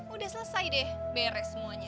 udah selesai deh beres semuanya